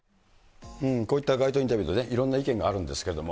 こういった街頭インタビューで、いろんな意見があるんですけれども。